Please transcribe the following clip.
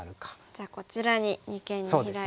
じゃあこちらに二間にヒラいて。